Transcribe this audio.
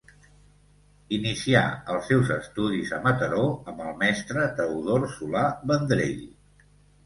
Inicià els seus estudis a Mataró amb el mestre Teodor Solà Vendrell.